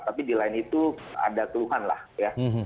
tapi di lain itu ada keluhan lah ya